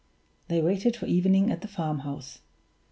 They waited for evening at the farmhouse.